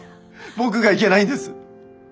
僕がいけないんです！